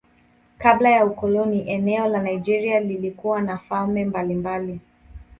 Kabla ya ukoloni eneo la Nigeria lilikuwa na falme mbalimbali.